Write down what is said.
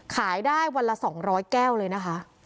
ขายได้วันละ๒๐๐แก้วเลยนะคะ